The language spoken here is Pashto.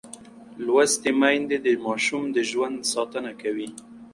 لوستې میندې د ماشوم د ژوند ساتنه کوي.